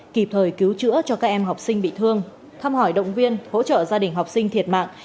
kịp thời cứu chữa cho các em học sinh bị thương thăm hỏi động viên hỗ trợ gia đình học sinh thiệt mạng